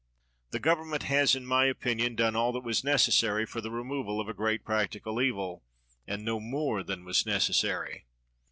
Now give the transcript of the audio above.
The government has, in my opinion, done all that was necessary for the removal of a great practical evil, and no more than was necessary.